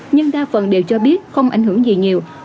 nhưng đa phần đều cho biết không ảnh hưởng gì nhiều